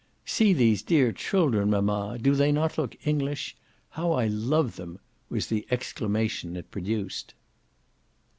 "See these dear children, mamma! do they not look English? how I love them!" was the exclamation it produced.